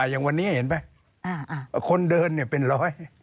อย่างวันนี้เห็นไหมคนเดินเป็นร้อย